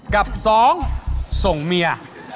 กับ๒ส่งเมีย